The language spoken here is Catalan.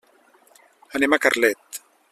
Anem a Carlet.